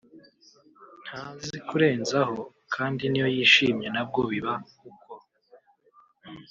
ntazi kurenzaho kandi n’iyo yishimye na bwo biba uko